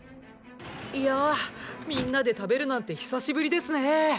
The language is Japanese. いやぁみんなで食べるなんて久しぶりですね。